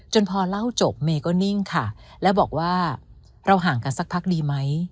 พอเล่าจบเมย์ก็นิ่งค่ะแล้วบอกว่าเราห่างกันสักพักดีไหม